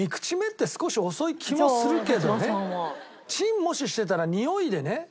でもチンもししてたらにおいでね。